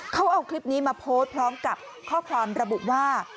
เขาเอาคลิปนี้มาโพสต์พร้อมกับข้อความระบุว่า